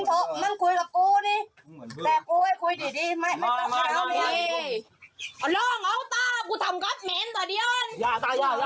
คือคลิปนี้ครับผู้เสียหาย